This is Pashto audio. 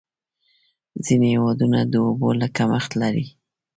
ځینې هېوادونه د اوبو کمښت لري.